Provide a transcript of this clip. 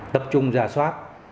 tập trung giả soát